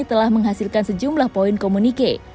telah menghasilkan sejumlah poin komunike